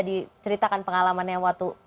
diceritakan pengalamannya waktu